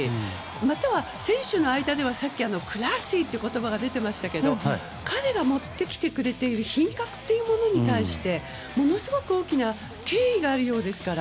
または、選手の間ではさっきもクラシーという言葉も出ていましたけど彼が持ってきてくれている品格というものに対してものすごく大きな敬意があるようですから。